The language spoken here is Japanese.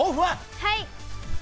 はい。